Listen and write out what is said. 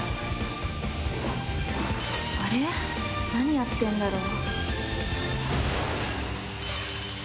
あれ何やってんだろう？